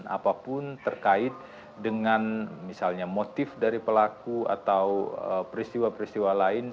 apapun terkait dengan misalnya motif dari pelaku atau peristiwa peristiwa lain